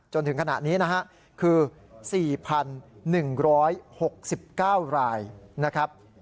จนถึงขณะนี้นะฮะคือ๔๑๖๙รายนะครับ